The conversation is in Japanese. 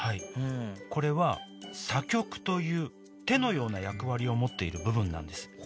これは叉棘という手のような役割を持っている部分なんですへえ